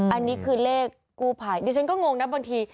อันนี้คือเลขกู้ภัยดิฉันก็งงนะบางที